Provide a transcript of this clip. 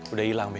udah hilang be